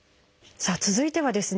さあ続いてはですね